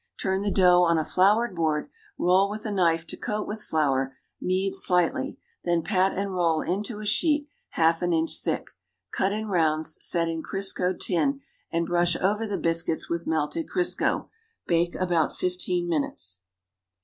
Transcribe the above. Turn the dough on a floured board, roll with a knife to poat with flour, knead slightly, then pat and roll into a sheet half an inch thick; cut in rounds, set in Criseoed tin and brush over the biscuits with melted Criseo; bake about fifteen minutes.